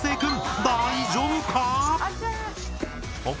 大丈夫か？